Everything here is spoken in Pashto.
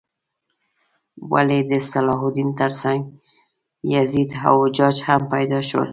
ولې د صلاح الدین تر څنګ یزید او حجاج هم پیدا شول؟